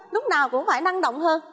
lúc nào cũng phải năng động hơn